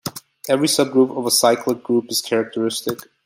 Every subgroup of a cyclic group is characteristic.